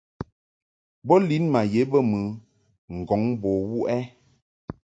Ba lin ma ye bə mɨ ŋgɔŋ bo wuʼ ɛ ?